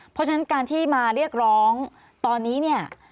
เพราะฉะนั้นการที่มาเรียกร้องตอนนี้เนี่ย